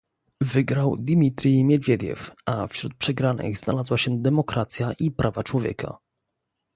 Wygrał Dimitrij Miedwiediew, a wśród przegranych znalazła się demokracja i prawa człowieka